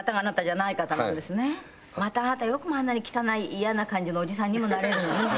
またあなたよくもあんなに汚い嫌な感じのおじさんにもなれる。